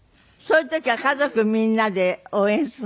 そういう時は家族みんなで応援するの？